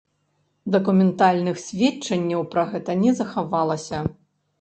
Дакументальных сведчанняў пра гэта не захавалася.